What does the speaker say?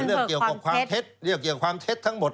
เรื่องเกี่ยวกับความเท็จทั้งหมด